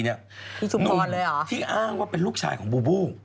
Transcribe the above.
คือที่อ้างว่าเป็นลูกชายของบูบู